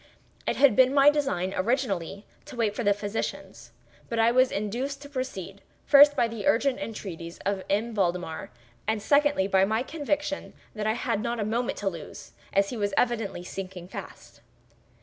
It had been my design, originally, to wait for the physicians; but I was induced to proceed, first, by the urgent entreaties of M. Valdemar, and secondly, by my conviction that I had not a moment to lose, as he was evidently sinking fast.